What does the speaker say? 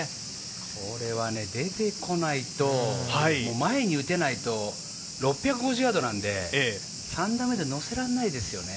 これは出てこないと前に打てないと、６５０ヤードなんで、３打目で乗せられないですよね。